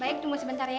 baik tunggu sebentar ya